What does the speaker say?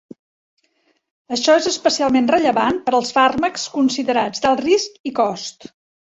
Això és especialment rellevant per als fàrmacs considerats d'alt risc i cost.